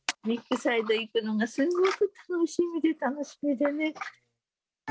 ビッグサイト行くのが、すごく楽しみで楽しみでね。